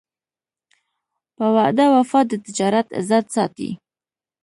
په وعده وفا د تجارت عزت ساتي.